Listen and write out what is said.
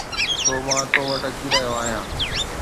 سو مان تو وٽ اچي رهيو آهيان